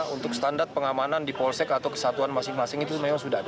untuk standar pengamanan di polsek atau kesatuan masing masing itu memang sudah ada